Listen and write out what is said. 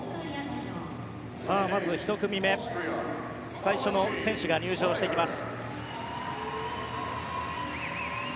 まず１組目最初の選手が入場してきます。